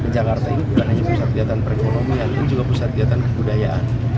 jakarta ini bukan hanya pusat kegiatan perekonomian tapi juga pusat kegiatan kebudayaan